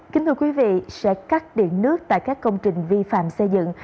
kính thưa quý vị sẽ cắt điện nước tại các công trình vi phạm xây dựng